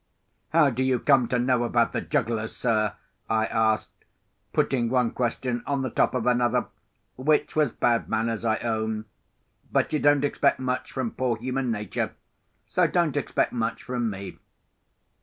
"How do you come to know about the jugglers, sir?" I asked, putting one question on the top of another, which was bad manners, I own. But you don't expect much from poor human nature—so don't expect much from me.